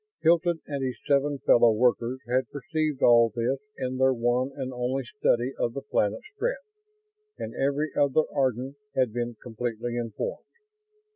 Hilton and his seven fellow workers had perceived all this in their one and only study of the planet Strett, and every other Ardan had been completely informed.